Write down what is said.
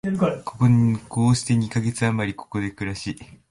こうして二カ月あまり、ここで暮らし、